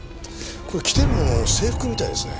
これ着てるのは制服みたいですね。